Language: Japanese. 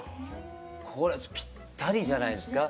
これピッタリじゃないですか？